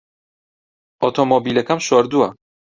ئۆتۆمۆبیلەکەم شۆردووە.